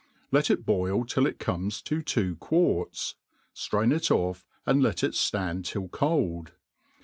Let it boil till it comes to two quarts^ ftrain it off, and let it ftand till cold.